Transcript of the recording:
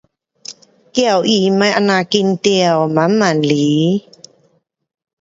叫他别这样紧张。慢慢来。